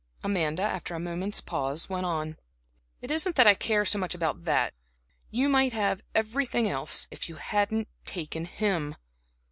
Amanda, after a moment's pause, went on. "It isn't that I care so much about that; you might have had everything else, if you hadn't taken him.